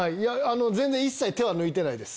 全然一切手は抜いてないです。